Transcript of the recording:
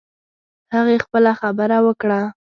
هغې خپله خبره وکړه